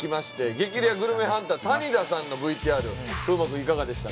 激レアグルメハンター谷田さんのＶＴＲ風磨君いかがでしたか？